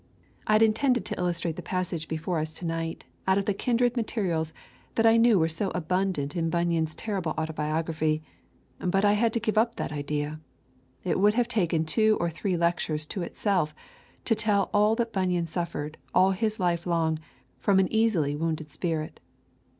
I had intended to illustrate the passage before us to night out of the kindred materials that I knew were so abundant in Bunyan's terrible autobiography, but I had to give up that idea. It would have taken two or three lectures to itself to tell all that Bunyan suffered all his life long from an easily wounded spirit.